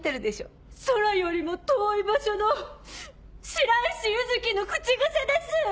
『宇宙よりも遠い場所』の白石結月の口癖です！